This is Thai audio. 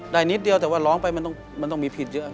นิดเดียวแต่ว่าร้องไปมันต้องมีผิดเยอะ